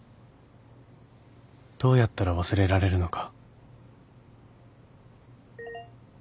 どうやったら忘れられるのか